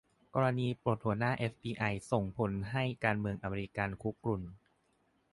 กรณีปลดหัวหน้า เอฟบีไอ ส่งผลให้ การเมืองอเมริกัน คุกรุ่น